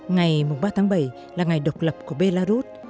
ngày ba tháng bảy là ngày độc lập của belarus